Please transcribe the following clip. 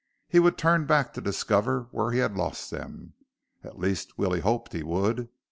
He would turn back to discover where he had lost them. At least, Willie hoped he would.